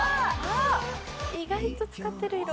「意外と使ってる色」